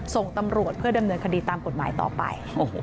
ส่งตำรวจเพื่อดำเนินคดีตามกฎหมายต่อไป